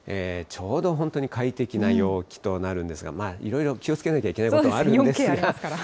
ちょうど本当に快適な陽気となるんですが、いろいろ気をつけなければいけないことはあるんですけれども。